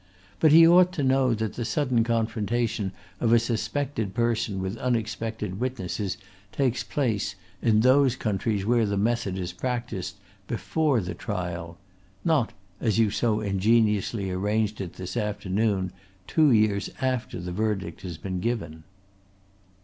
But he ought to know that the sudden confrontation of a suspected person with unexpected witnesses takes place, in those countries where the method is practised, before the trial; not, as you so ingeniously arranged it this afternoon, two years after the verdict has been given."